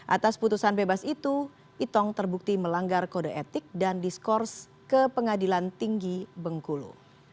atas putusan bebas itu itong terbukti melanggar kode etik dan diskors ke pengadilan tinggi bengkulu